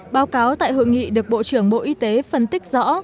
báo cáo tại hội nghị được bộ trưởng bộ y tế phân tích rõ